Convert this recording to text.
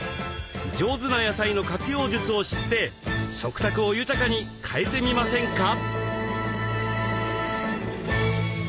上手な野菜の活用術を知って食卓を豊かに変えてみませんか？